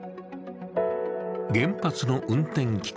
原発の運転期間